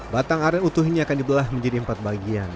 batang aren utuhnya akan dibelah menjadi empat bagian